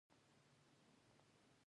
نن مې د کور زاړه لوښي صفا کړل.